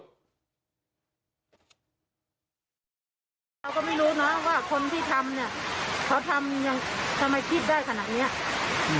เราก็ไม่รู้นะว่าคนที่ทำเนี่ยเขาทำยังทำไมคิดได้ขนาดเนี้ย